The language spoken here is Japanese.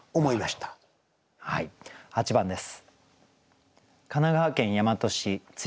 ８番です。